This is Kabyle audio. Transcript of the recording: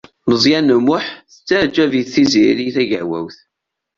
Meẓyan U Muḥ tettaɛǧab-it Tiziri Tagawawt.